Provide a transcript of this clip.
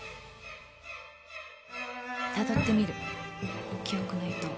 たどってみる記憶の糸を。